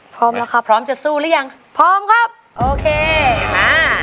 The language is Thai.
พร้อมแล้วครับพร้อมจะสู้หรือยังพร้อมครับโอเคมา